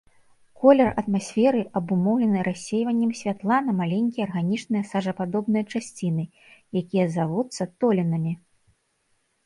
Колер атмасферы абумоўлены рассейваннем святла на маленькія арганічныя сажападобныя часціны, якія завуцца толінамі.